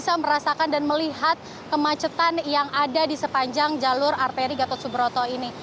dan pada pukul delapan pagi ini kita sudah bisa melihat kemacetan yang ada di sepanjang jalur arteri gatot subroto ini